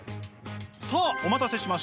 さあお待たせしました。